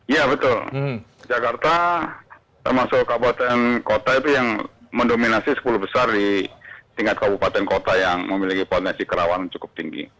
ya betul jakarta termasuk kabupaten kota itu yang mendominasi sepuluh besar di tingkat kabupaten kota yang memiliki potensi kerawanan cukup tinggi